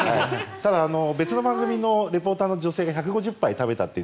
ただ、別の番組のレポーターの方が１５０杯食べたという。